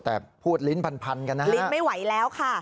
แต่พูดลิ้นพันกันนะฮะลิ้นไม่ไหวแล้วค่ะ